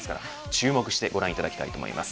注目してご覧いただきたいと思います。